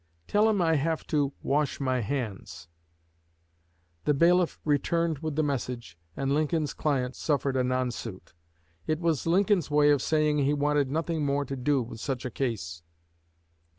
Tell him I have to wash my hands." The bailiff returned with the message, and Lincoln's client suffered a non suit. It was Lincoln's way of saying he wanted nothing more to do with such a case.